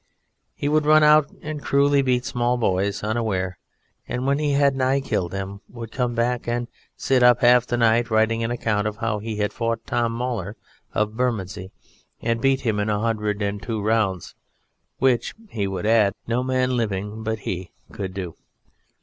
He would run out and cruelly beat small boys unaware, and when he had nigh killed them he would come back and sit up half the night writing an account of how he had fought Tom Mauler of Bermondsey and beaten him in a hundred and two rounds, which (he would add) no man living but he could do.